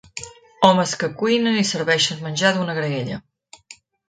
Homes que cuinen i serveixen menjar d'una graella.